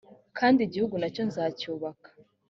kandi igihugu na cyo nzacyibuka .